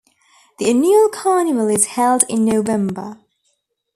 The annual Carnival is held in November.